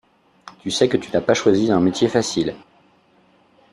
Tu sais que tu n’as pas choisi un métier facile.